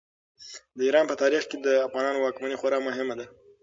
د ایران په تاریخ کې د افغانانو واکمني خورا مهمه ده.